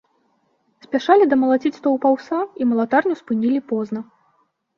Спяшалі дамалаціць стоўп аўса, і малатарню спынілі позна.